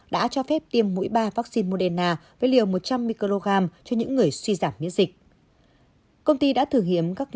đã cho phép tiêm mũi ba vaccine moderna với liều một trăm linh microgram cho những người suy giảm miễn dịch